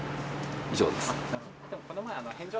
以上です。